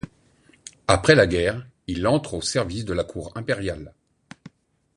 Après la guerre, il entre au service de la cour impériale.